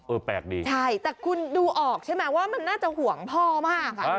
แปลกดีใช่แต่คุณดูออกใช่ไหมว่ามันน่าจะห่วงพ่อมาก